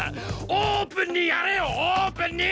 オープンにやれよオープンに！